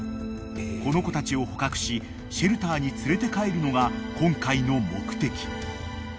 ［この子たちを捕獲しシェルターに連れて帰るのが今回の目的］